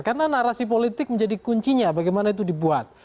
karena narasi politik menjadi kuncinya bagaimana itu dibuat